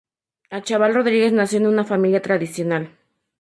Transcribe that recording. Achával Rodríguez nació en una familia tradicional.